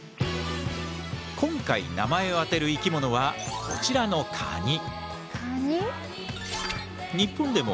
今回名前を当てる生き物はこちらのカニ。